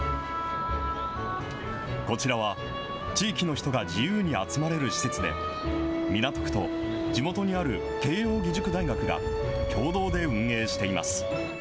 こちらは地域の人が自由に集まれる施設で、港区と地元にある慶應義塾大学が協同で運営しています。